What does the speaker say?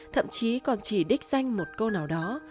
thậm chí còn chỉ đích danh một cô nào đó